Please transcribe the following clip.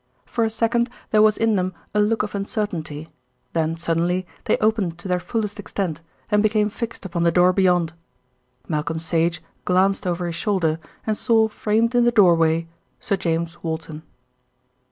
For a second there was in them a look of uncertainty, then suddenly they opened to their fullest extent and became fixed upon the door beyond. Malcolm Sage glanced over his shoulder and saw framed in the doorway Sir James Walton.